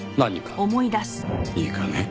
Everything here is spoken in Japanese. いいかね？